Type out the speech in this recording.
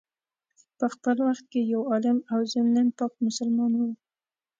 په خپل وخت کي یو عالم او ضمناً پاک مسلمان وو.